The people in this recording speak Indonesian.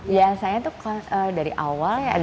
ya saya tuh dari awal